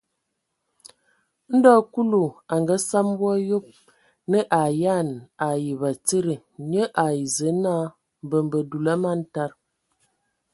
Ndɔ Kulu a ngasam wɔ a yob, nə a ayan ai batsidi, nye ai Zǝə naa: mbembe dulu, a man tad.